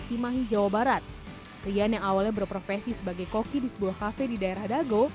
cimahi jawa barat rian yang awalnya berprofesi sebagai koki di sebuah kafe di daerah dago